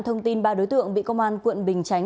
thông tin ba đối tượng bị công an quận bình chánh